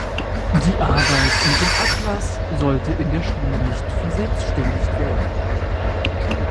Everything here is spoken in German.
Die Arbeit mit dem Atlas sollte in der Schule nicht verselbständigt werden.